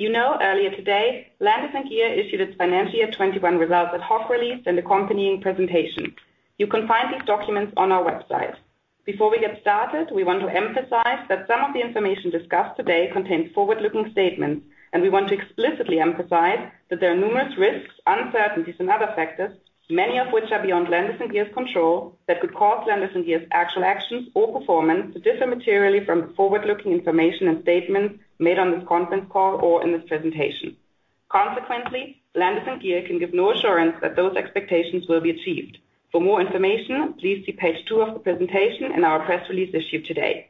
As you know, earlier today, Landis+Gyr issued its financial year 2021 results, ad hoc release, and accompanying presentation. You can find these documents on our website. Before we get started, we want to emphasize that some of the information discussed today contains forward-looking statements. We want to explicitly emphasize that there are numerous risks, uncertainties, and other factors, many of which are beyond Landis+Gyr's control, that could cause Landis+Gyr's actual actions or performance to differ materially from the forward-looking information and statements made on this conference call or in this presentation. Consequently, Landis+Gyr can give no assurance that those expectations will be achieved. For more information, please see page two of the presentation in our press release issued today.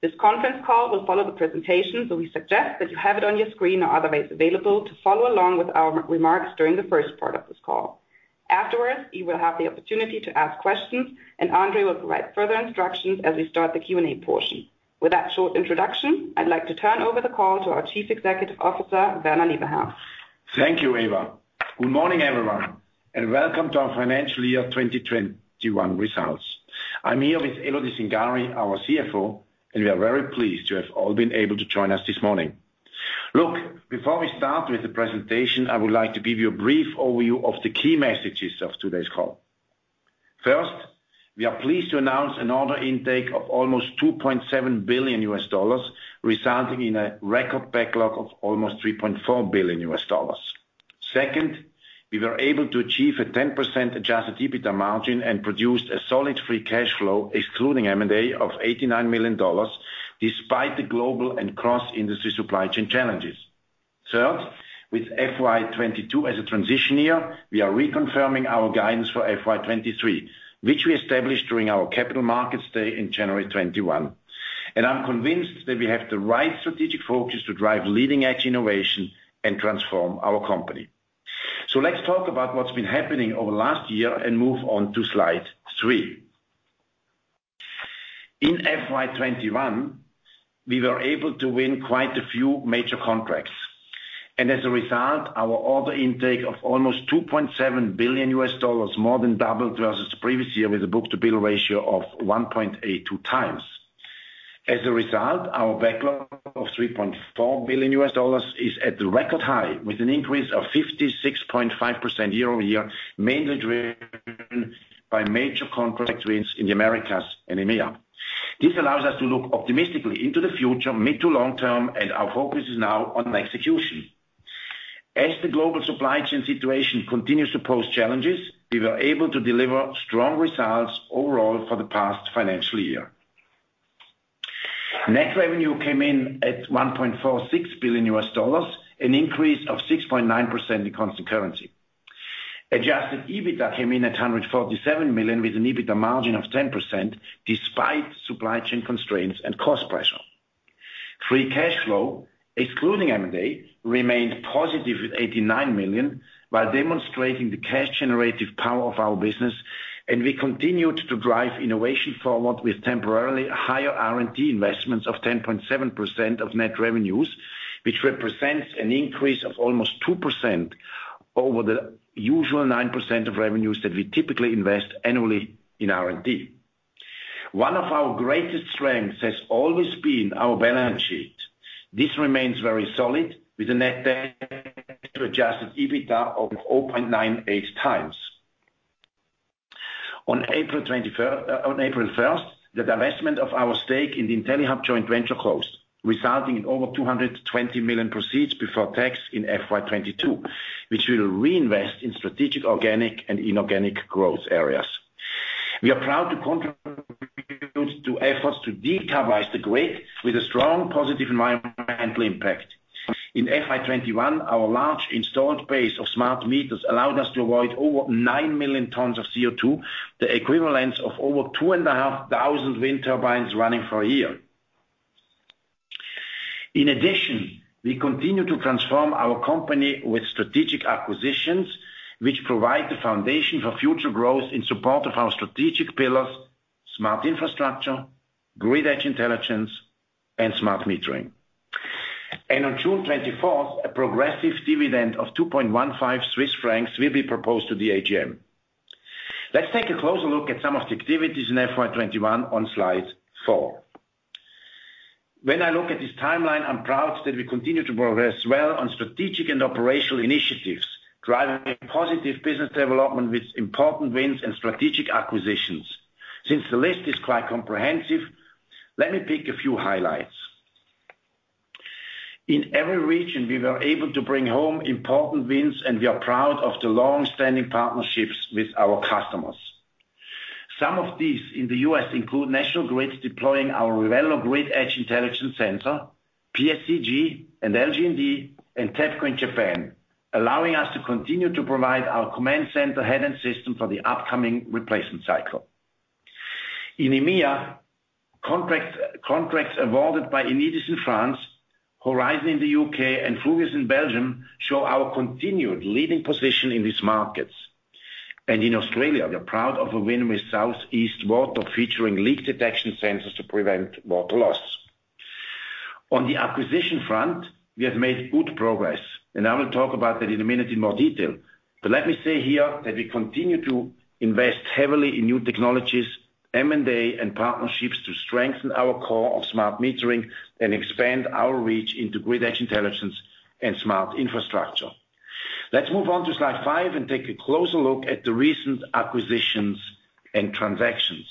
This conference call will follow the presentation, so we suggest that you have it on your screen or otherwise available to follow along with our remarks during the first part of this call. Afterwards, you will have the opportunity to ask questions, and Andre will provide further instructions as we start the Q&A portion. With that short introduction, I'd like to turn over the call to our Chief Executive Officer, Werner Lieberherr. Thank you, Eva. Good morning, everyone, and welcome to our financial year 2021 results. I'm here with Elodie Cingari, our CFO, and we are very pleased you have all been able to join us this morning. Look, before we start with the presentation, I would like to give you a brief overview of the key messages of today's call. First, we are pleased to announce an order intake of almost $2.7 billion, resulting in a record backlog of almost $3.4 billion. Second, we were able to achieve a 10% adjusted EBITDA margin and produced a solid free cash flow, excluding M&A, of $89 million despite the global and cross-industry supply chain challenges. Third, with FY 2022 as a transition year, we are reconfirming our guidance for FY 2023, which we established during our capital markets day in January 2021. I'm convinced that we have the right strategic focus to drive leading-edge innovation and transform our company. Let's talk about what's been happening over the last year and move on to slide three. In FY 2021, we were able to win quite a few major contracts, and as a result, our order intake of almost $2.7 billion more than doubled versus the previous year with a book-to-bill ratio of 1.82x. As a result, our backlog of $3.4 billion is at the record high with an increase of 56.5% year-over-year, mainly driven by major contract wins in the Americas and EMEA. This allows us to look optimistically into the future, mid to long-term, and our focus is now on execution. As the global supply chain situation continues to pose challenges, we were able to deliver strong results overall for the past financial year. Net revenue came in at $1.46 billion, an increase of 6.9% in constant currency. Adjusted EBITDA came in at $147 million, with an EBITDA margin of 10% despite supply chain constraints and cost pressure. Free cash flow, excluding M&A, remained positive at $89 million while demonstrating the cash generative power of our business, and we continued to drive innovation forward with temporarily higher R&D investments of 10.7% of net revenues, which represents an increase of almost 2% over the usual 9% of revenues that we typically invest annually in R&D. One of our greatest strengths has always been our balance sheet. This remains very solid with a net debt to adjusted EBITDA of 0.98 times. On April first, the divestment of our stake in the IntelliHub joint venture closed, resulting in over $220 million proceeds before tax in FY 2022, which we will reinvest in strategic, organic and inorganic growth areas. We are proud to contribute to efforts to decarbonize the grid with a strong positive environmental impact. In FY 2021, our large installed base of smart meters allowed us to avoid over 9 million tons of CO2, the equivalent of over 2,500 wind turbines running for a year. In addition, we continue to transform our company with strategic acquisitions, which provide the foundation for future growth in support of our strategic pillars, Smart Infrastructure, Grid Edge Intelligence, and Smart Metering. On June 24th, a progressive dividend of 2.15 Swiss francs will be proposed to the AGM. Let's take a closer look at some of the activities in FY 2021 on slide four. When I look at this timeline, I'm proud that we continue to progress well on strategic and operational initiatives, driving a positive business development with important wins and strategic acquisitions. Since the list is quite comprehensive, let me pick a few highlights. In every region, we were able to bring home important wins, and we are proud of the long-standing partnerships with our customers. Some of these in the U.S. include National Grid deploying our Revelo grid edge intelligence platform, PSEG and LG&E and TEPCO in Japan, allowing us to continue to provide our Command Center head-end system for the upcoming replacement cycle. In EMEA, contracts awarded by Enedis in France, Horizon in the UK and Fluvius in Belgium show our continued leading position in these markets. In Australia, we are proud of a win with South East Water featuring leak detection sensors to prevent water loss. On the acquisition front, we have made good progress, and I will talk about that in a minute in more detail. Let me say here that we continue to invest heavily in new technologies, M&A and partnerships to strengthen our core of smart metering and expand our reach into grid edge intelligence and smart infrastructure. Let's move on to slide five and take a closer look at the recent acquisitions and transactions.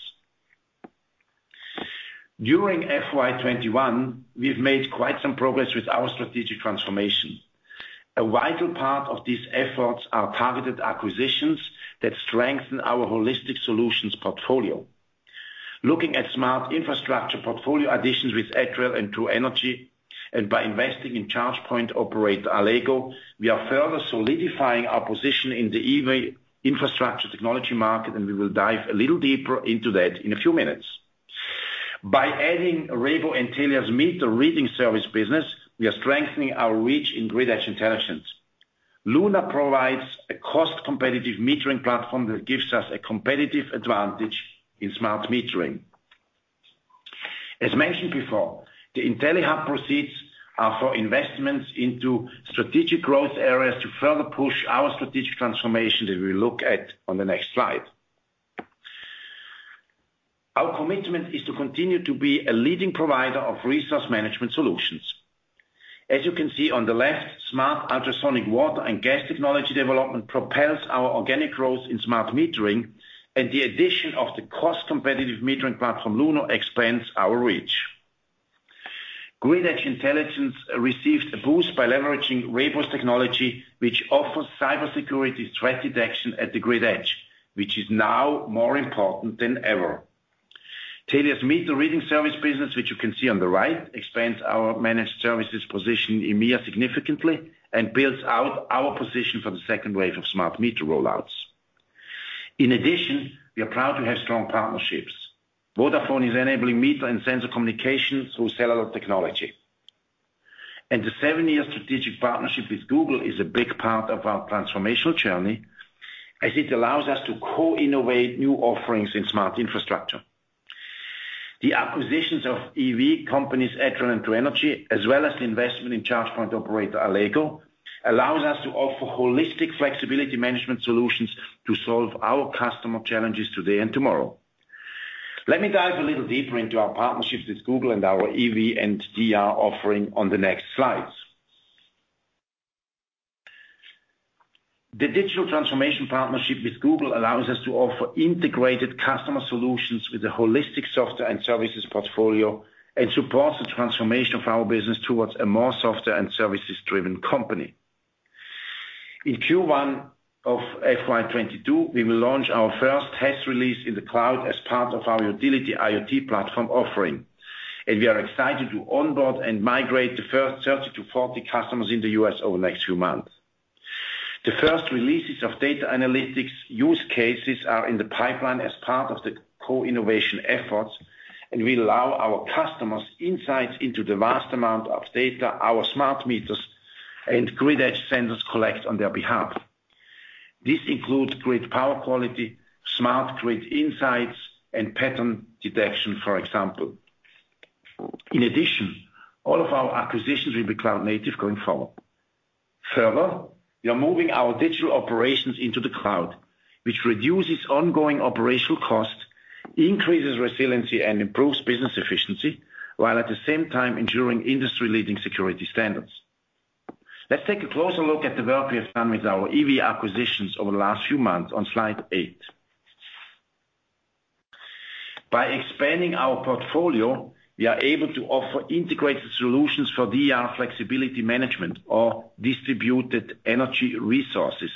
During FY 2021, we've made quite some progress with our strategic transformation. A vital part of these efforts are targeted acquisitions that strengthen our holistic solutions portfolio. Looking at Smart Infrastructure portfolio additions with Etrel and True Energy, and by investing in charge point operator Allego, we are further solidifying our position in the EV infrastructure technology market, and we will dive a little deeper into that in a few minutes. By adding Rhebo and Telia's meter reading service business, we are strengthening our reach in Grid Edge Intelligence. Luna provides a cost-competitive metering platform that gives us a competitive advantage in Smart Metering. As mentioned before, the IntelliHub proceeds are for investments into strategic growth areas to further push our strategic transformation that we look at on the next slide. Our commitment is to continue to be a leading provider of resource management solutions. As you can see on the left, smart ultrasonic water and gas technology development propels our organic growth in Smart Metering, and the addition of the cost-competitive metering platform Luna expands our reach. Grid Edge Intelligence receives a boost by leveraging Rhebo's technology, which offers cybersecurity threat detection at the grid edge, which is now more important than ever. Telia's meter reading service business, which you can see on the right, expands our managed services position in EMEA significantly and builds out our position for the second wave of smart meter rollouts. In addition, we are proud to have strong partnerships. Vodafone is enabling meter and sensor communication through cellular technology. The seven-year strategic partnership with Google is a big part of our transformational journey as it allows us to co-innovate new offerings in Smart Infrastructure. The acquisitions of EV companies, Etrel and True Energy, as well as the investment in charge point operator Allego, allows us to offer holistic flexibility management solutions to solve our customer challenges today and tomorrow. Let me dive a little deeper into our partnerships with Google and our EV and DER offering on the next slides. The digital transformation partnership with Google allows us to offer integrated customer solutions with a holistic software and services portfolio and supports the transformation of our business towards a more software and services-driven company. In Q1 of FY 2022, we will launch our first test release in the cloud as part of our utility IoT platform offering, and we are excited to onboard and migrate the first 30-40 customers in the U.S. over the next few months. The first releases of data analytics use cases are in the pipeline as part of the co-innovation efforts and will allow our customers insights into the vast amount of data our smart meters and grid edge sensors collect on their behalf. This includes grid power quality, smart grid insights, and pattern detection, for example. In addition, all of our acquisitions will be cloud native going forward. Further, we are moving our digital operations into the cloud, which reduces ongoing operational costs, increases resiliency, and improves business efficiency, while at the same time ensuring industry-leading security standards. Let's take a closer look at the work we have done with our EV acquisitions over the last few months on slide eight. By expanding our portfolio, we are able to offer integrated solutions for DER flexibility management or distributed energy resources,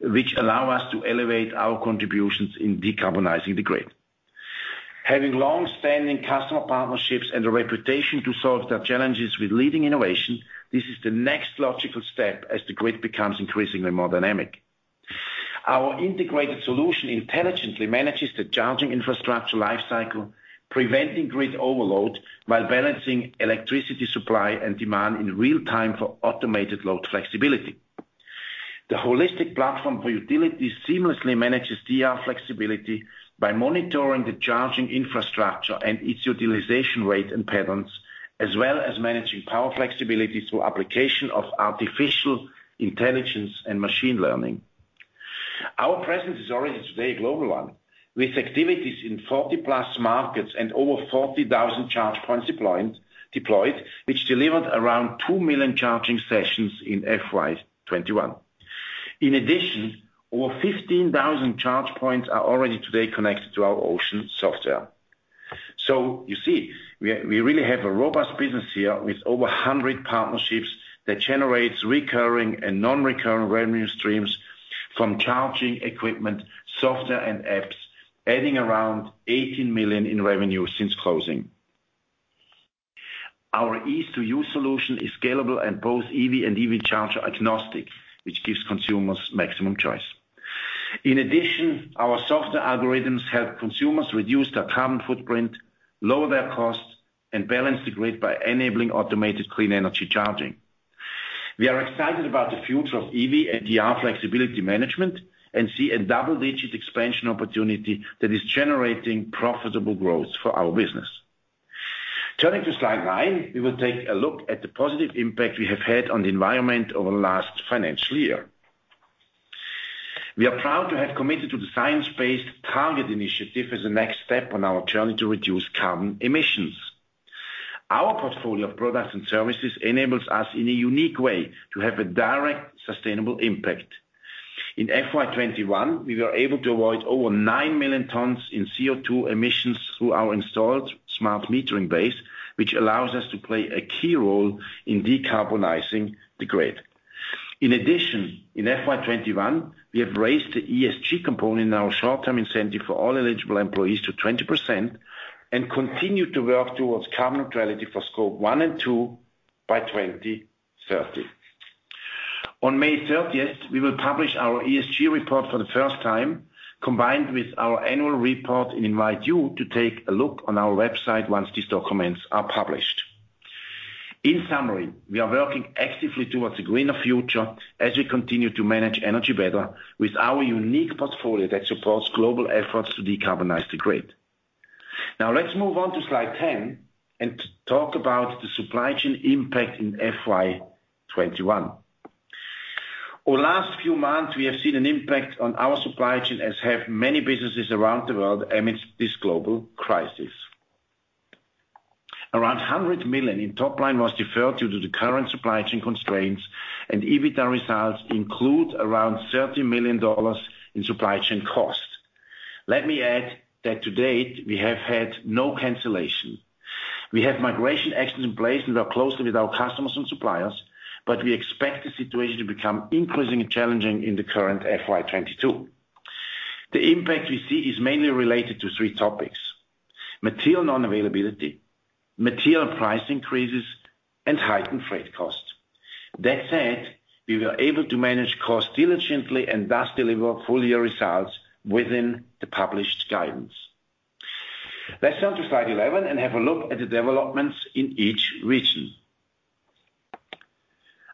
which allow us to elevate our contributions in decarbonizing the grid. Having long-standing customer partnerships and a reputation to solve their challenges with leading innovation, this is the next logical step as the grid becomes increasingly more dynamic. Our integrated solution intelligently manages the charging infrastructure life cycle, preventing grid overload while balancing electricity supply and demand in real time for automated load flexibility. The holistic platform for utilities seamlessly manages DER flexibility by monitoring the charging infrastructure and its utilization rate and patterns, as well as managing power flexibility through application of artificial intelligence and machine learning. Our presence is already today a global one, with activities in 40-plus markets and over 40,000 charge points deployed, which delivered around 2 million charging sessions in FY 2021. In addition, over 15,000 charge points are already today connected to our OCEAN software. You see, we really have a robust business here with over 100 partnerships that generates recurring and non-recurring revenue streams from charging equipment, software, and apps, adding around $18 million in revenue since closing. Our easy-to-use solution is scalable and both EV and EV charger agnostic, which gives consumers maximum choice. In addition, our software algorithms help consumers reduce their carbon footprint, lower their costs, and balance the grid by enabling automated clean energy charging. We are excited about the future of EV and DER flexibility management and see a double-digit expansion opportunity that is generating profitable growth for our business. Turning to slide nine, we will take a look at the positive impact we have had on the environment over the last financial year. We are proud to have committed to the Science Based Targets initiative as the next step on our journey to reduce carbon emissions. Our portfolio of products and services enables us in a unique way to have a direct, sustainable impact. In FY 2021, we were able to avoid over 9 million tons in CO2 emissions through our installed smart metering base, which allows us to play a key role in decarbonizing the grid. In addition, in FY 2021, we have raised the ESG component in our short-term incentive for all eligible employees to 20% and continue to work towards carbon neutrality for Scope one and two by 2030. On May 30th, we will publish our ESG report for the first time, combined with our annual report, and invite you to take a look on our website once these documents are published. In summary, we are working actively towards a greener future as we continue to manage energy better with our unique portfolio that supports global efforts to decarbonize the grid. Now let's move on to slide 10 and talk about the supply chain impact in FY 2021. Over last few months, we have seen an impact on our supply chain, as have many businesses around the world amidst this global crisis. Around $100 million in top line was deferred due to the current supply chain constraints, and EBITDA results include around $30 million in supply chain costs. Let me add that to date, we have had no cancellation. We have mitigation actions in place and work closely with our customers and suppliers, but we expect the situation to become increasingly challenging in the current FY 2022. The impact we see is mainly related to three topics, material non-availability, material price increases, and heightened freight costs. That said, we were able to manage costs diligently and thus deliver full year results within the published guidance. Let's turn to slide 11 and have a look at the developments in each region.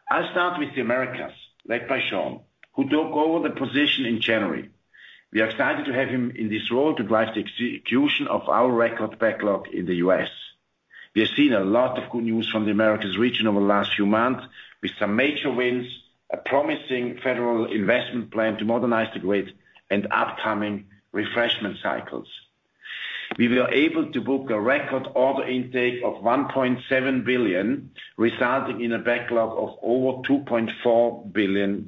I'll start with the Americas, led by Sean, who took over the position in January. We are excited to have him in this role to drive the execution of our record backlog in the U.S. We have seen a lot of good news from the Americas region over the last few months with some major wins, a promising federal investment plan to modernize the grid, and upcoming refreshment cycles. We were able to book a record order intake of $1.7 billion, resulting in a backlog of over $2.4 billion.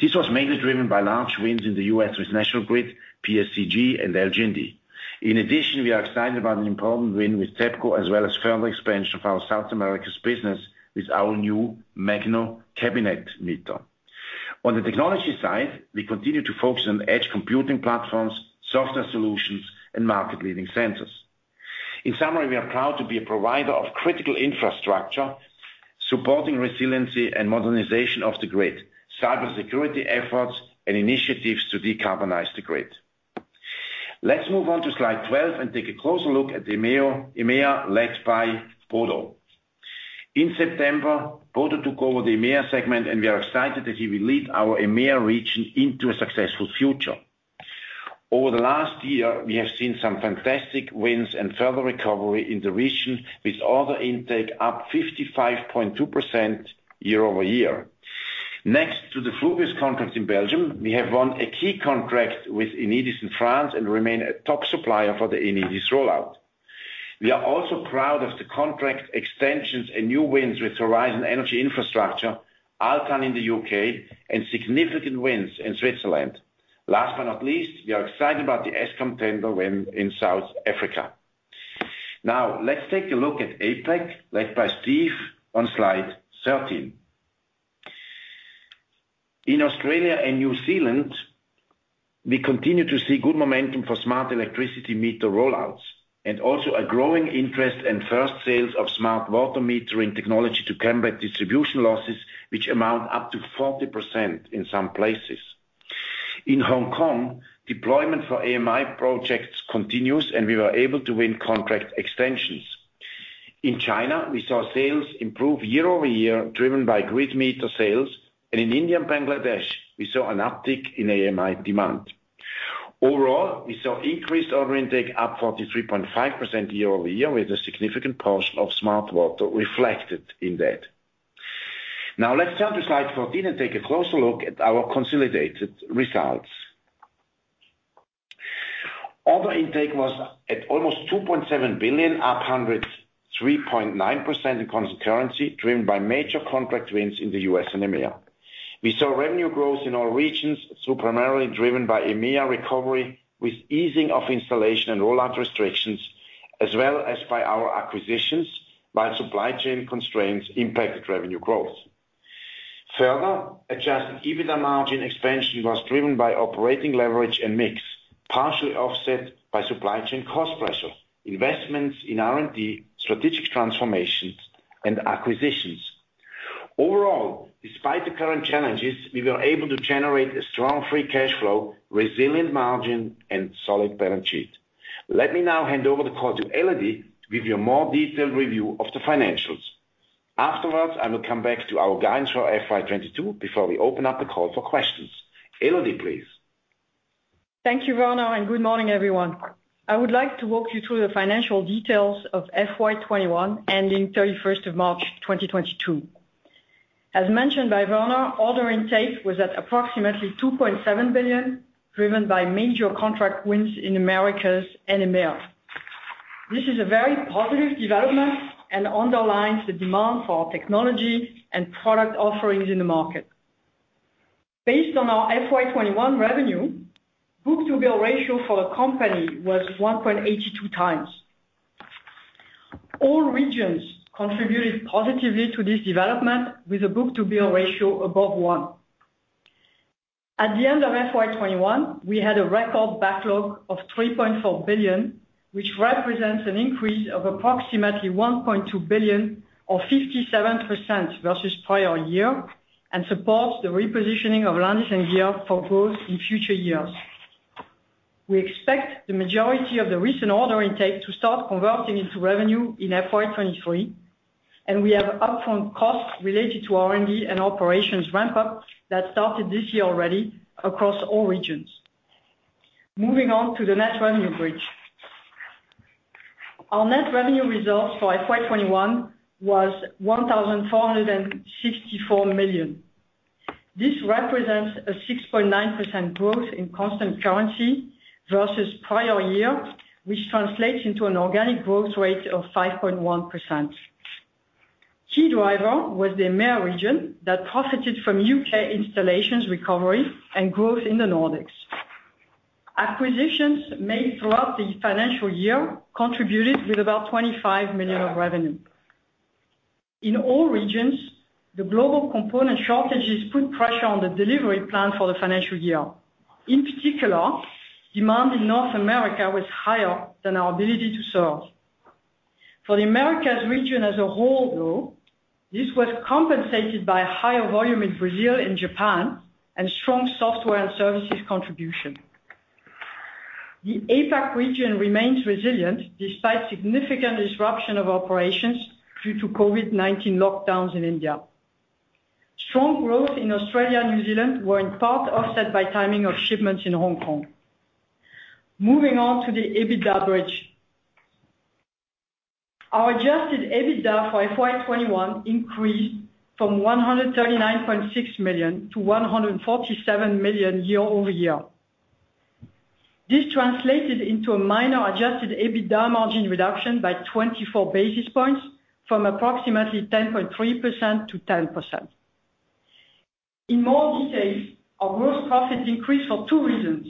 This was mainly driven by large wins in the US with National Grid, PSEG, and LG&E. In addition, we are excited about an important win with TEPCO, as well as further expansion of our South America's business with our new Magno cabinet meter. On the technology side, we continue to focus on edge computing platforms, software solutions, and market-leading sensors. In summary, we are proud to be a provider of critical infrastructure, supporting resiliency and modernization of the grid, cybersecurity efforts, and initiatives to decarbonize the grid. Let's move on to slide 12 and take a closer look at the EMEA, led by Bodo. In September, Bodo took over the EMEA segment and we are excited that he will lead our EMEA region into a successful future. Over the last year, we have seen some fantastic wins and further recovery in the region, with order intake up 55.2% year-over-year. Next to the Fluvius contract in Belgium, we have won a key contract with Enedis in France and remain a top supplier for the Enedis rollout. We are also proud of the contract extensions and new wins with Horizon Energy Infrastructure, ALTEN in the UK, and significant wins in Switzerland. Last but not least, we are excited about the Eskom tender win in South Africa. Now let's take a look at APAC, led by Steve, on slide 13. In Australia and New Zealand, we continue to see good momentum for smart electricity meter rollouts, and also a growing interest in first sales of smart water metering technology to combat distribution losses, which amount up to 40% in some places. In Hong Kong, deployment for AMI projects continues, and we were able to win contract extensions. In China, we saw sales improve year-over-year, driven by grid meter sales. In India and Bangladesh, we saw an uptick in AMI demand. Overall, we saw increased order intake up 43.5% year-over-year, with a significant portion of smart water reflected in that. Now let's turn to slide 14 and take a closer look at our consolidated results. Order intake was at almost $2.7 billion, up 103.9% in constant currency, driven by major contract wins in the U.S. and EMEA. We saw revenue growth in all regions, so primarily driven by EMEA recovery with easing of installation and rollout restrictions, as well as by our acquisitions, while supply chain constraints impacted revenue growth. Further, adjusted EBITDA margin expansion was driven by operating leverage and mix, partially offset by supply chain cost pressure, investments in R&D, strategic transformations, and acquisitions. Overall, despite the current challenges, we were able to generate a strong free cash flow, resilient margin, and solid balance sheet. Let me now hand over the call to Elodie to give you a more detailed review of the financials. Afterwards, I will come back to our guidance for FY 2022 before we open up the call for questions. Elodie, please. Thank you, Werner, and good morning, everyone. I would like to walk you through the financial details of FY 2021 ending March 31, 2022. As mentioned by Werner, order intake was at approximately $2.7 billion, driven by major contract wins in Americas and EMEA. This is a very positive development and underlines the demand for our technology and product offerings in the market. Based on our FY 2021 revenue, book-to-bill ratio for the company was 1.82x. All regions contributed positively to this development with a book-to-bill ratio above one. At the end of FY 2021, we had a record backlog of $3.4 billion, which represents an increase of approximately $1.2 billion or 57% versus prior year and supports the repositioning of Landis+Gyr for growth in future years. We expect the majority of the recent order intake to start converting into revenue in FY 2023, and we have upfront costs related to R&D and operations ramp-up that started this year already across all regions. Moving on to the net revenue bridge. Our net revenue results for FY 2021 was $1,464 million. This represents a 6.9% growth in constant currency versus prior year, which translates into an organic growth rate of 5.1%. Key driver was the EMEA region that profited from UK installations recovery and growth in the Nordics. Acquisitions made throughout the financial year contributed with about $25 million of revenue. In all regions, the global component shortages put pressure on the delivery plan for the financial year. In particular, demand in North America was higher than our ability to serve. For the Americas region as a whole, though, this was compensated by higher volume in Brazil and Japan and strong software and services contribution. The APAC region remains resilient despite significant disruption of operations due to COVID-19 lockdowns in India. Strong growth in Australia and New Zealand were in part offset by timing of shipments in Hong Kong. Moving on to the EBITDA bridge. Our adjusted EBITDA for FY 2021 increased from $139.6 million to $147 million year-over-year. This translated into a minor adjusted EBITDA margin reduction by 24 basis points from approximately 10.3% to 10%. In more details, our gross profits increased for two reasons.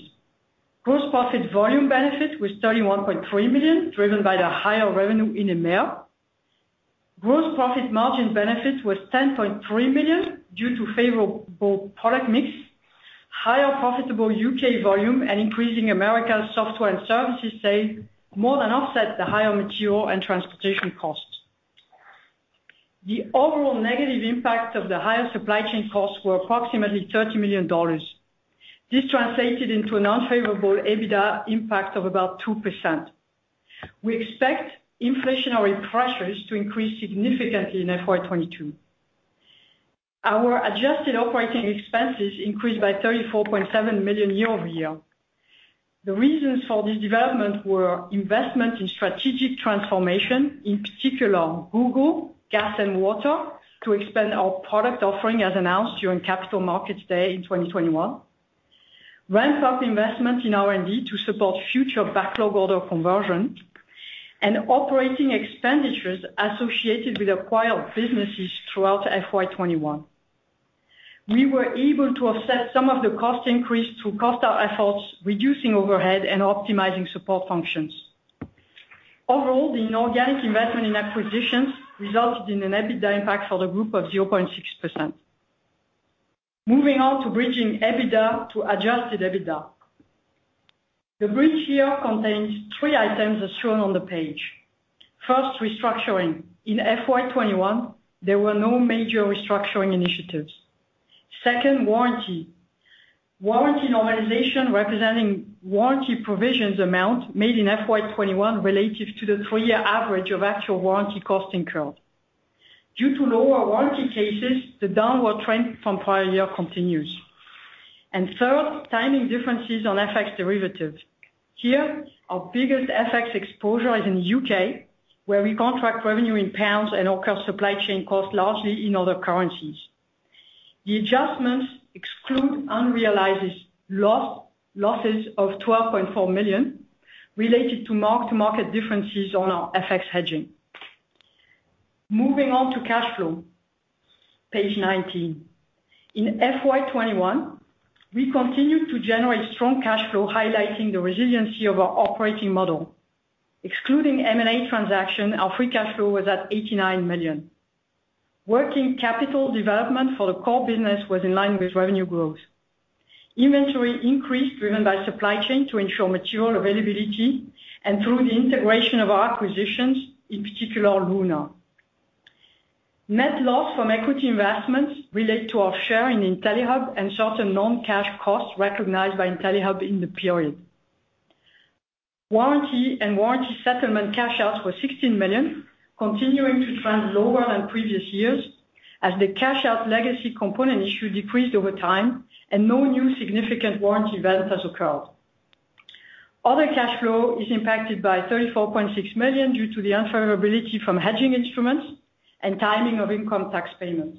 Gross profit volume benefit was $31.3 million, driven by the higher revenue in EMEA. Gross profit margin benefit was $10.3 million due to favorable product mix, higher profitable U.K. volume, and increasing Americas software and services sales more than offset the higher material and transportation costs. The overall negative impact of the higher supply chain costs were approximately $30 million. This translated into an unfavorable EBITDA impact of about 2%. We expect inflationary pressures to increase significantly in FY 2022. Our adjusted operating expenses increased by $34.7 million year-over-year. The reasons for this development were investment in strategic transformation, in particular Google, gas and water, to expand our product offering as announced during Capital Markets Day in 2021. Ramp-up investment in R&D to support future backlog order conversion and operating expenditures associated with acquired businesses throughout FY 2021. We were able to offset some of the cost increase through cost out efforts, reducing overhead and optimizing support functions. Overall, the inorganic investment in acquisitions resulted in an EBITDA impact for the group of 0.6%. Moving on to bridging EBITDA to adjusted EBITDA. The bridge here contains three items as shown on the page. First, restructuring. In FY 2021, there were no major restructuring initiatives. Second, warranty. Warranty normalization representing warranty provisions amount made in FY 2021 relative to the three-year average of actual warranty costing curve. Due to lower warranty cases, the downward trend from prior year continues. Third, timing differences on FX derivatives. Here, our biggest FX exposure is in U.K., where we contract revenue in pounds and occur supply chain costs largely in other currencies. The adjustments exclude unrealized losses of $12.4 million related to mark-to-market differences on our FX hedging. Moving on to cash flow, page 19. In FY 2021, we continued to generate strong cash flow, highlighting the resiliency of our operating model. Excluding M&A transaction, our free cash flow was at $89 million. Working capital development for the core business was in line with revenue growth. Inventory increased driven by supply chain to ensure material availability and through the integration of our acquisitions, in particular Luna. Net loss from equity investments relate to our share in IntelliHub and certain non-cash costs recognized by IntelliHub in the period. Warranty and warranty settlement cash outs were $16 million, continuing to trend lower than previous years as the cash out legacy component issue decreased over time and no new significant warranty event has occurred. Other cash flow is impacted by $34.6 million due to the unfavorability from hedging instruments and timing of income tax payments.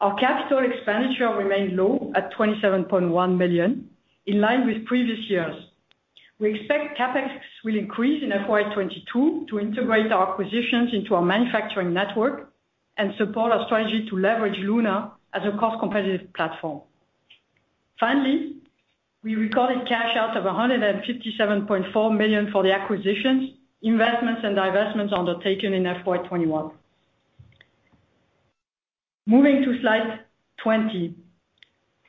Our capital expenditure remained low at $27.1 million, in line with previous years. We expect CapEx will increase in FY 2022 to integrate our acquisitions into our manufacturing network and support our strategy to leverage Luna as a cost competitive platform. Finally, we recorded cash out of $157.4 million for the acquisitions, investments and divestments undertaken in FY 2021. Moving to slide 20.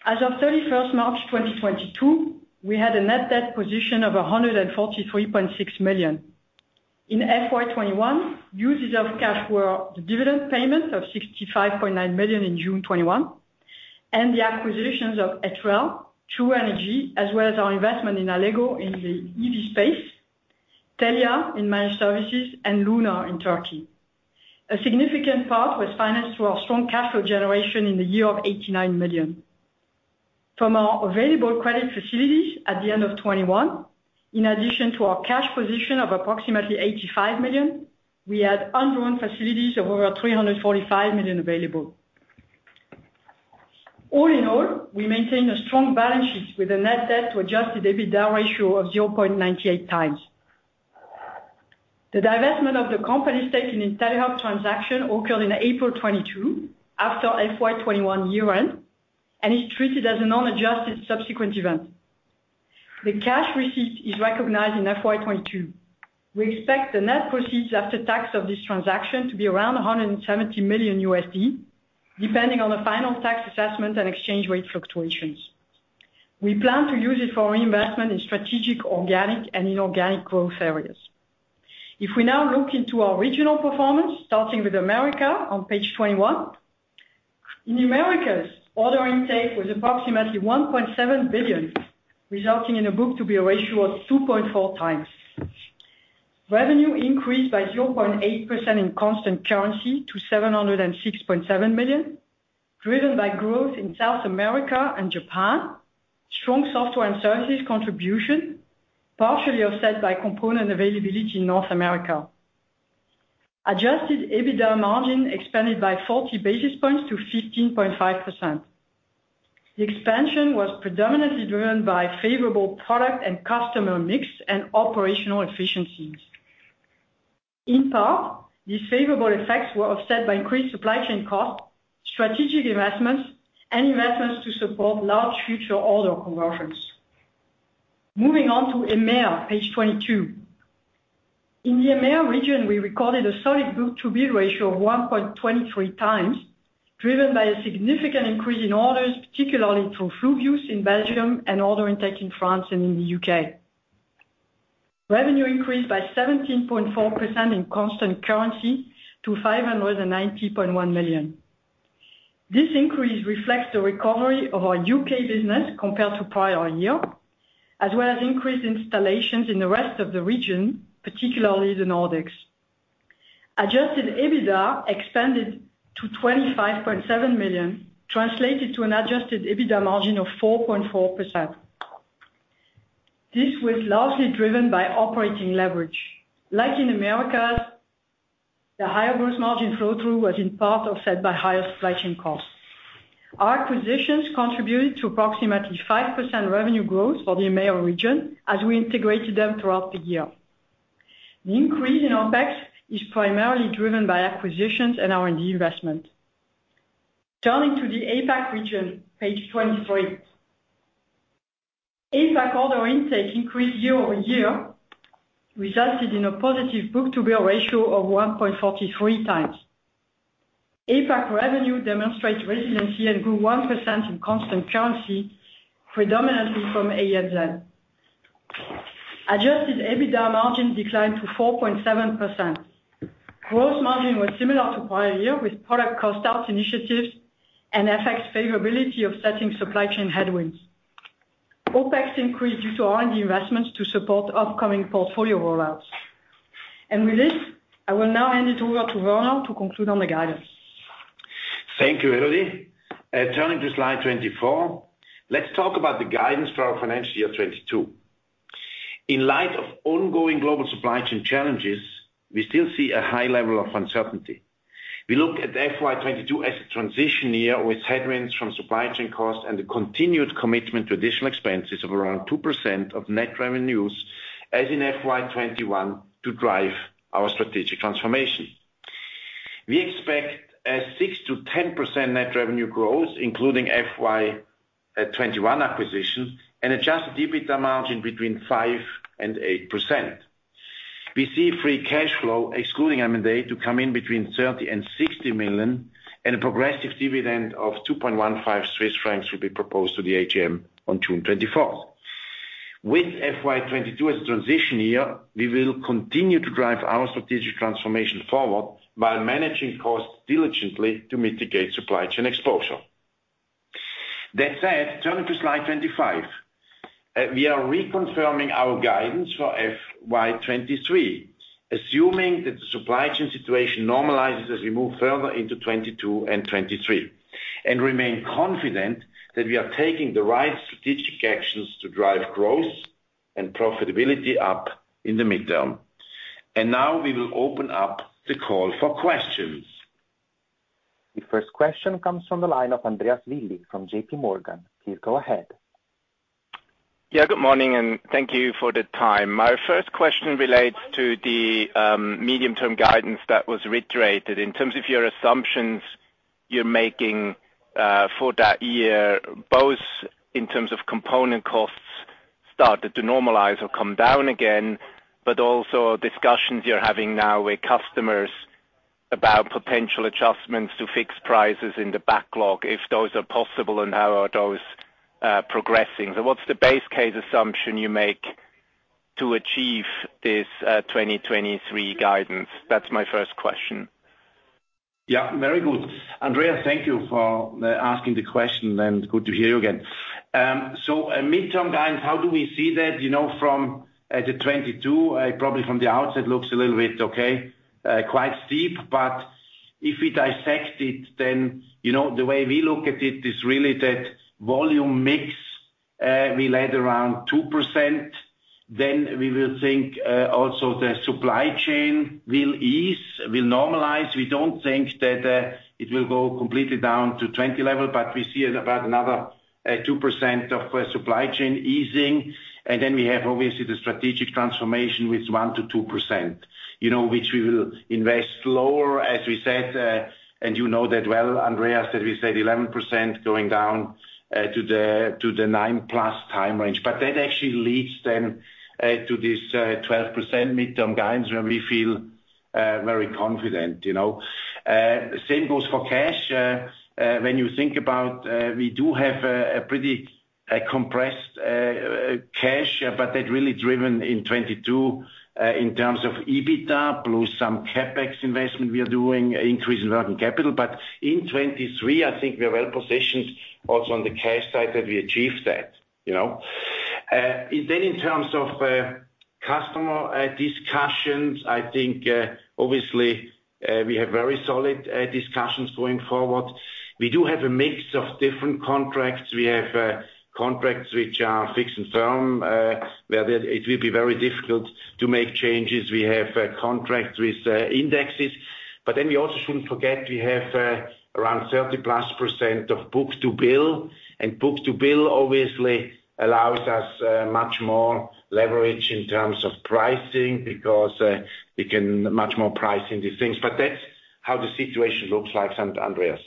As of 31 March 2022, we had a net debt position of $143.6 million. In FY 2021, uses of cash were the dividend payment of 65.9 million in June 2021, and the acquisitions of Etrel, True Energy, as well as our investment in Allego in the EV space, Telia in managed services, and Luna in Turkey. A significant part was financed through our strong cash flow generation in the year of 89 million. From our available credit facilities at the end of 2021, in addition to our cash position of approximately 85 million, we had undrawn facilities of over 345 million available. All in all, we maintain a strong balance sheet with a net debt to adjusted EBITDA ratio of 0.98x. The divestment of the company stake in the IntelliHub transaction occurred in April 2022 after FY 2021 year-end, and is treated as a non-adjusted subsequent event. The cash receipt is recognized in FY 2022. We expect the net proceeds after tax of this transaction to be around $170 million, depending on the final tax assessment and exchange rate fluctuations. We plan to use it for reinvestment in strategic, organic and inorganic growth areas. If we now look into our regional performance, starting with America on page 21. In Americas, order intake was approximately $1.7 billion, resulting in a book-to-bill ratio of 2.4 times. Revenue increased by 0.8% in constant currency to $706.7 million, driven by growth in South America and Japan, strong software and services contribution, partially offset by component availability in North America. Adjusted EBITDA margin expanded by 40 basis points to 15.5%. The expansion was predominantly driven by favorable product and customer mix and operational efficiencies. In part, these favorable effects were offset by increased supply chain costs, strategic investments and investments to support large future order conversions. Moving on to EMEA, page 22. In the EMEA region, we recorded a solid book-to-bill ratio of 1.23 times, driven by a significant increase in orders, particularly through Fluvius in Belgium and order intake in France and in the U.K. Revenue increased by 17.4% in constant currency to 590.1 million. This increase reflects the recovery of our UK business compared to prior year, as well as increased installations in the rest of the region, particularly the Nordics. Adjusted EBITDA expanded to 25.7 million, translated to an adjusted EBITDA margin of 4.4%. This was largely driven by operating leverage. Like in Americas, the higher gross margin flow through was in part offset by higher supply chain costs. Our acquisitions contributed to approximately 5% revenue growth for the EMEA region as we integrated them throughout the year. The increase in OpEx is primarily driven by acquisitions and R&D investment. Turning to the APAC region, page 23. APAC order intake increased year-over-year, resulted in a positive book-to-bill ratio of 1.43 times. APAC revenue demonstrates resiliency and grew 1% in constant currency, predominantly from ANZ. Adjusted EBITDA margin declined to 4.7%. Gross margin was similar to prior year with product cost out initiatives and FX favorability offsetting supply chain headwinds. OpEx increased due to R&D investments to support upcoming portfolio rollouts. With this, I will now hand it over to Werner to conclude on the guidance. Thank you, Elodie. Turning to slide 24, let's talk about the guidance for our financial year 2022. In light of ongoing global supply chain challenges, we still see a high level of uncertainty. We look at FY 2022 as a transition year with headwinds from supply chain costs and the continued commitment to additional expenses of around 2% of net revenues as in FY 2021 to drive our strategic transformation. We expect 6%-10% net revenue growth, including FY 2021 acquisition and adjusted EBITDA margin between 5%-8%. We see free cash flow excluding M&A to come in between $30 million-$60 million and a progressive dividend of 2.15 Swiss francs will be proposed to the AGM on June twenty-fourth. With FY 2022 as a transition year, we will continue to drive our strategic transformation forward while managing costs diligently to mitigate supply chain exposure. That said, turning to slide 25. We are reconfirming our guidance for FY 2023, assuming that the supply chain situation normalizes as we move further into 2022 and 2023. We remain confident that we are taking the right strategic actions to drive growth and profitability up in the midterm. Now we will open up the call for questions. The first question comes from the line of Andrew Li from JPMorgan. Please go ahead. Yeah, good morning and thank you for the time. My first question relates to the medium-term guidance that was reiterated. In terms of your assumptions you're making for that year, both in terms of component costs started to normalize or come down again, but also discussions you're having now with customers about potential adjustments to fix prices in the backlog, if those are possible and how are those progressing? And what's the base case assumption you make to achieve this 2023 guidance? That's my first question. Yeah, very good. Andrew Li, thank you for asking the question, and good to hear you again. Midterm guidance, how do we see that, you know, from the 2022? Probably from the outset looks a little bit okay, quite steep, but if we dissect it, you know, the way we look at it is really that volume mix will land around 2%. We will think also the supply chain will ease, will normalize. We don't think that it will go completely down to 2020 level, but we see about another 2% of supply chain easing. We have obviously the strategic transformation, which is 1%-2%, you know, which we will invest lower, as we said, and you know that well, Andrew, that we said 11% going down to the 9+% time range. That actually leads to this 12% midterm guidance, and we feel very confident, you know. Same goes for cash. When you think about, we do have a pretty compressed cash, but that really driven in 2022 in terms of EBITDA, plus some CapEx investment we are doing, increase in working capital. In 2023, I think we are well positioned also on the cash side that we achieve that, you know. In terms of customer discussions, I think obviously we have very solid discussions going forward. We do have a mix of different contracts. We have contracts which are fixed and firm where it will be very difficult to make changes. We have contracts with indexes, but then we also shouldn't forget we have around 30+% of book-to-bill, and book-to-bill obviously allows us much more leverage in terms of pricing because we can much more price in these things. That's how the situation looks like, Andrew.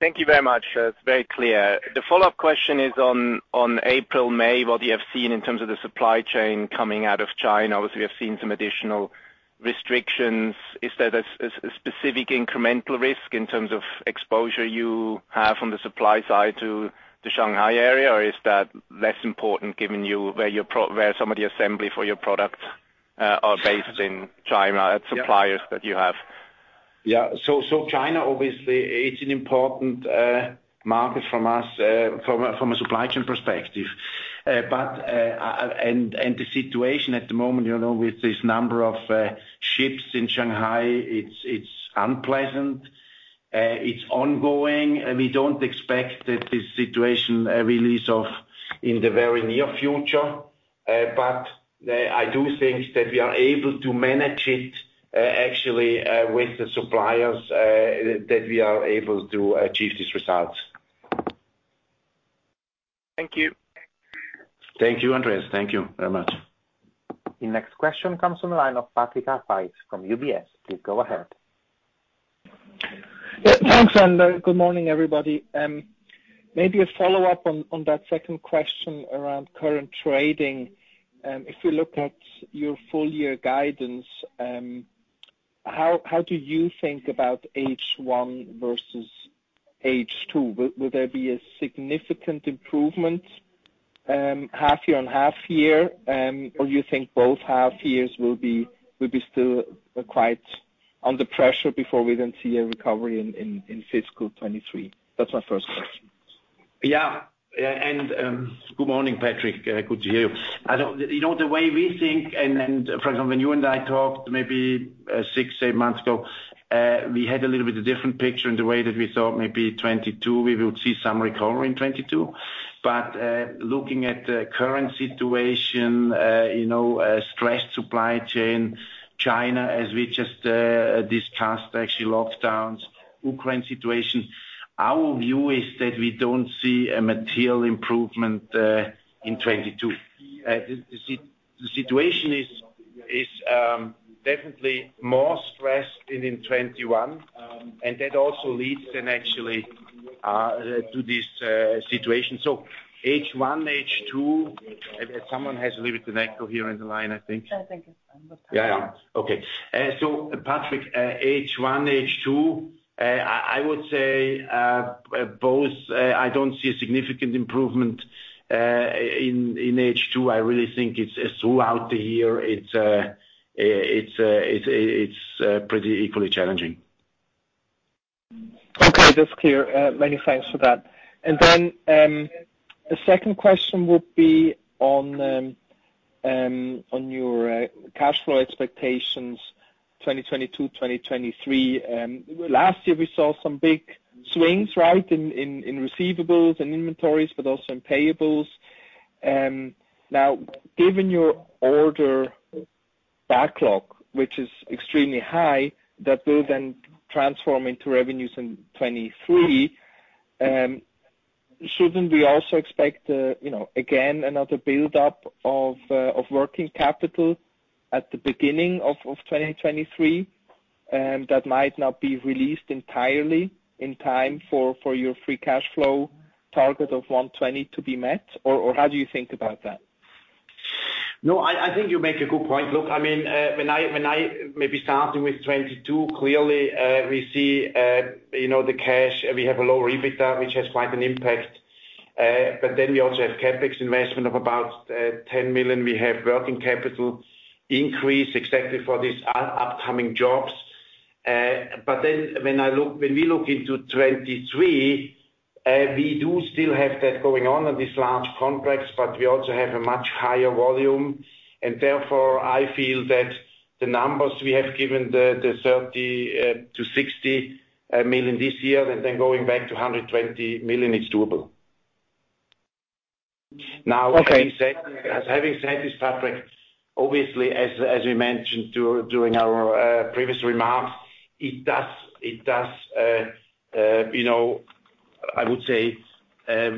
Thank you very much. That's very clear. The follow-up question is on April, May, what you have seen in terms of the supply chain coming out of China. Obviously, we have seen some additional restrictions. Is that a specific incremental risk in terms of exposure you have from the supply side to the Shanghai area? Or is that less important given where some of the assembly for your products are based in China and suppliers that you have? Yeah. China, obviously, it's an important market for us from a supply chain perspective. And the situation at the moment, you know, with this number of ships in Shanghai, it's unpleasant. It's ongoing, and we don't expect that this situation relief in the very near future. But I do think that we are able to manage it, actually, with the suppliers that we are able to achieve these results. Thank you. Thank you, Andrew. Thank you very much. The next question comes from the line of Patrick Rafaisz from UBS. Please go ahead. Yeah, thanks, André. Good morning, everybody. Maybe a follow-up on that second question around current trading. If you look at your full year guidance, how do you think about H 1 versus H 2? Will there be a significant improvement, half year on half year? Or you think both half years will be still quite under pressure before we then see a recovery in fiscal 2023? That's my first question. Yeah. Good morning, Patrick. Good to hear you. You know, the way we think and for example, when you and I talked maybe six, eight months ago, we had a little bit of different picture in the way that we thought maybe 2022, we would see some recovery in 2022. Looking at the current situation, you know, stressed supply chain, China, as we just discussed, actually lockdowns, Ukraine situation, our view is that we don't see a material improvement in 2022. The situation is definitely more stressed than in 2021, and that also leads then actually to this situation. H1, H2. Someone has a little bit of an echo here on the line, I think. I think it's on but. Patrick, H1, H2, I would say both. I don't see a significant improvement in H2. I really think it's throughout the year. It's pretty equally challenging. Okay, that's clear. Many thanks for that. The second question would be on your cash flow expectations, 2022, 2023. Last year we saw some big swings, right, in receivables and inventories, but also in payables. Now, given your order backlog, which is extremely high, that will then transform into revenues in 2023. Shouldn't we also expect, you know, again, another build-up of working capital at the beginning of 2023, that might not be released entirely in time for your free cash flow target of 120 to be met? Or how do you think about that? No, I think you make a good point. Look, I mean, maybe starting with 2022, clearly, we see, you know, the cash, we have a lower EBITDA, which has quite an impact. Then we also have CapEx investment of about $10 million. We have working capital increase expected for these upcoming jobs. Then when we look into 2023, we do still have that going on in these large contracts, but we also have a much higher volume. Therefore, I feel that the numbers we have given, the $30-$60 million this year and then going back to $120 million, it's doable. Okay. Now, having said this, Patrick, obviously as we mentioned during our previous remarks, it does, you know, I would say,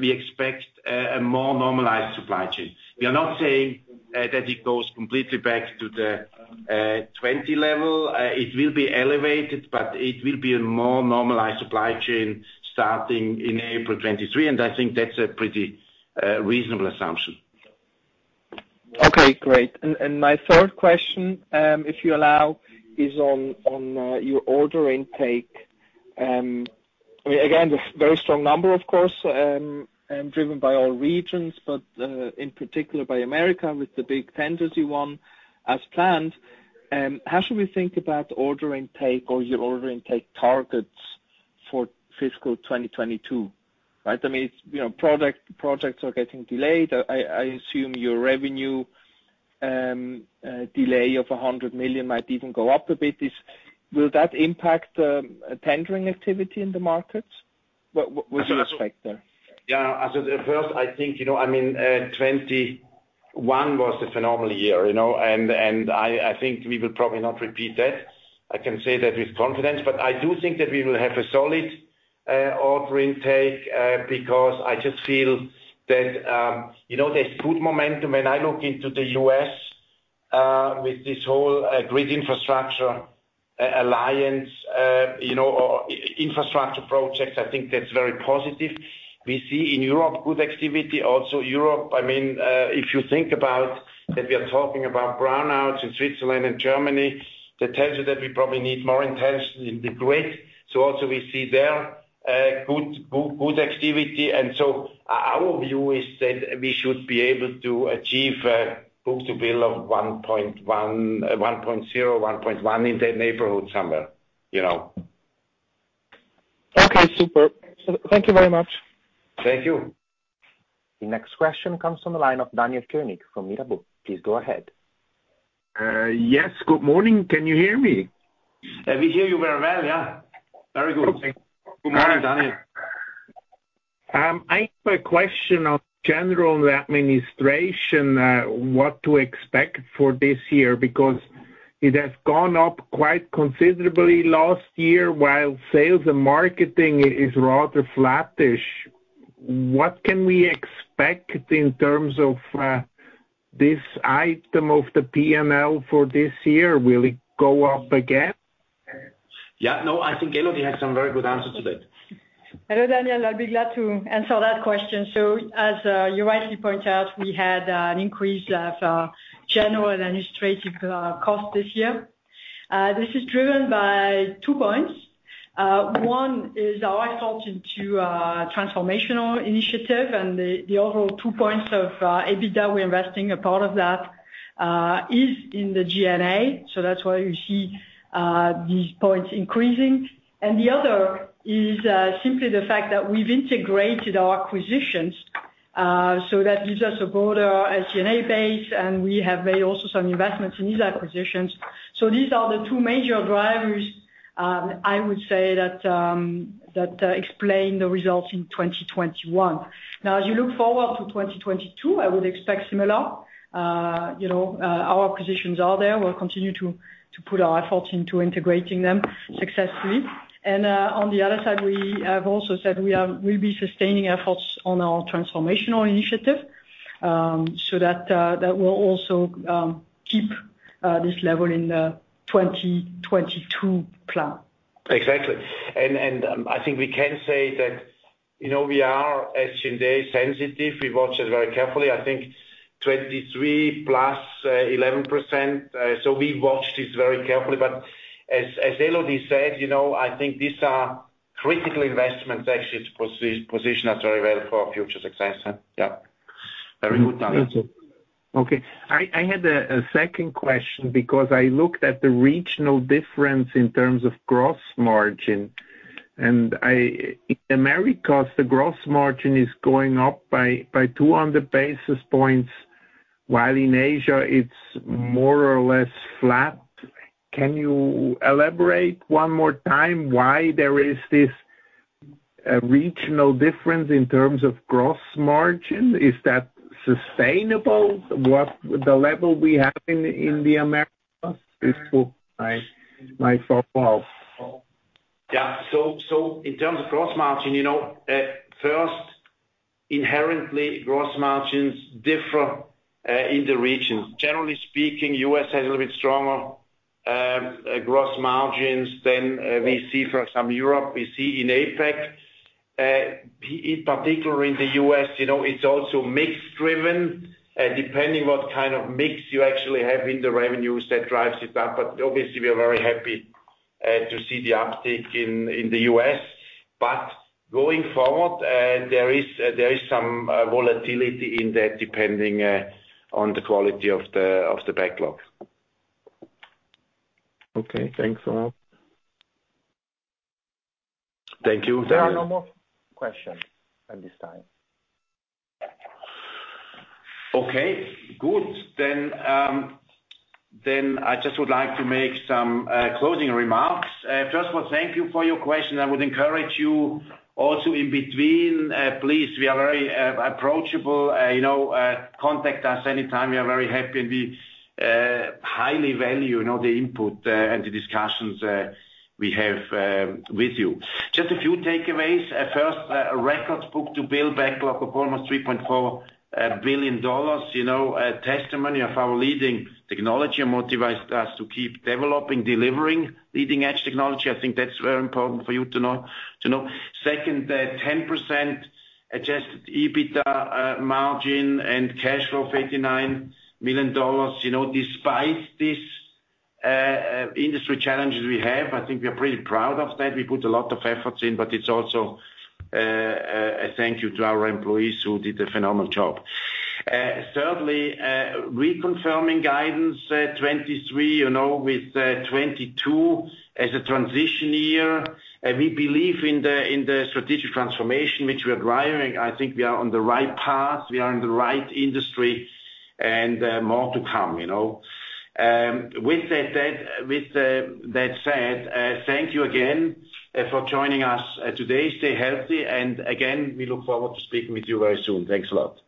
we expect a more normalized supply chain. We are not saying that it goes completely back to the 20 level. It will be elevated, but it will be a more normalized supply chain starting in April 2023, and I think that's a pretty reasonable assumption. Okay, great. My third question, if you allow, is on your order intake. I mean, again, the very strong number, of course, driven by all regions, but in particular by America with the big Tennessee win as planned. How should we think about order intake or your order intake targets for fiscal 2022, right? I mean, you know, projects are getting delayed. I assume your revenue delay of 100 million might even go up a bit. Will that impact tendering activity in the markets? What do you expect there? At first, I think 2021 was a phenomenal year, and I think we will probably not repeat that. I can say that with confidence. I do think that we will have a solid order intake, because I just feel that there's good momentum. I look to the U.S., with this whole grid infrastructure alliance or infrastructure projects. I think that's very positive. We see in Europe good activity. In Europe, if you think about that we are talking about brownouts in Switzerland and Germany, that tells you that we probably need more investment in the grid. We see there good activity. Our view is that we should be able to achieve book-to-bill of 1.1.0, 1.1 in that neighborhood somewhere, you know. Okay, super. Thank you very much. Thank you. The next question comes from the line of Daniel Koenig from Mirabaud. Please go ahead. Yes. Good morning. Can you hear me? We hear you very well, yeah. Very good. Okay. Good morning, Daniel. I've a question on general administration, what to expect for this year, because it has gone up quite considerably last year while sales and marketing is rather flattish. What can we expect in terms of this item of the P&L for this year? Will it go up again? Yeah. No, I think Elodie has some very good answers to that. Hello, Daniel. I'll be glad to answer that question. As you rightly point out, we had an increase of general administrative costs this year. This is driven by two points. One is our effort into transformational initiative and the overall two points of EBITDA. We're investing a part of that is in the G&A, so that's why you see these points increasing. And the other is simply the fact that we've integrated our acquisitions, so that gives us a broader SG&A base, and we have made also some investments in these acquisitions. These are the two major drivers, I would say that explain the results in 2021. Now, as you look forward to 2022, I would expect similar. You know, our acquisitions are there. We'll continue to put our efforts into integrating them successfully. On the other side, we have also said we'll be sustaining efforts on our transformational initiative. That will also keep this level in the 2022 plan. Exactly. I think we can say that, you know, we are SG&A sensitive. We watch it very carefully. I think 23 plus 11%. We watch this very carefully. As Elodie said, you know, I think these are critical investments actually to position us very well for our future success. Yeah. Very good, Daniel. Okay. I had a second question because I looked at the regional difference in terms of gross margin, and in Americas, the gross margin is going up by 200 basis points, while in Asia it's more or less flat. Can you elaborate one more time why there is this regional difference in terms of gross margin? Is that sustainable, the level we have in the Americas? In terms of gross margin, inherently gross margins differ in the regions. Generally speaking, U.S. has a little bit stronger gross margins than we see for some Europe, we see in APAC. In particular in the U.S., you know, it's also mix driven, depending what kind of mix you actually have in the revenues that drives it up. Obviously, we are very happy to see the uptick in the U.S. Going forward, there is some volatility in that depending on the quality of the backlog. Okay, thanks a lot. Thank you. There are no more questions at this time. Okay, good. I just would like to make some closing remarks. First of all, thank you for your question. I would encourage you also in between, please, we are very approachable, you know, contact us anytime. We are very happy, and we highly value, you know, the input, and the discussions we have with you. Just a few takeaways. First, a record book-to-bill backlog of almost $3.4 billion, you know, a testimony of our leading technology and motivates us to keep developing, delivering leading-edge technology. I think that's very important for you to know. Second, 10% adjusted EBITDA margin and cash flow of $89 million, you know, despite these industry challenges we have, I think we are pretty proud of that. We put a lot of efforts in, but it's also a thank you to our employees who did a phenomenal job. Thirdly, reconfirming guidance, 2023, you know, with 2022 as a transition year. We believe in the strategic transformation which we are driving. I think we are on the right path, we are in the right industry, and more to come, you know. With that said, thank you again for joining us today. Stay healthy, and again, we look forward to speaking with you very soon. Thanks a lot.